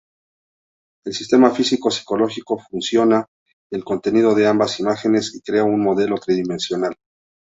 El sistema físico-psicológico fusiona el contenido de ambas imágenes y crea un modelo tridimensional.